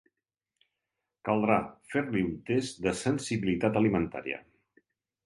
Caldrà fer-li un test de sensibilitat alimentària.